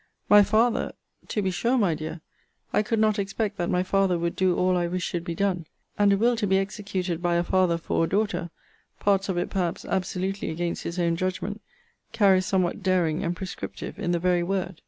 My father! To be sure, my dear, I could not expect that my father would do all I wish should be done: and a will to be executed by a father for a daughter, (parts of it, perhaps, absolutely against his own judgment,) carries somewhat daring and prescriptive in the very word.